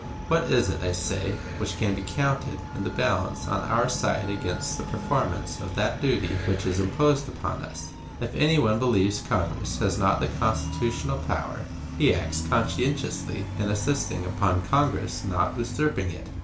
What is it, I say, which can be counted in the balance on our side against the performance of that duty which is imposed upon us? If any one believes Congress has not the constitutional power, he acts conscientiously in insisting upon Congress not usurping it.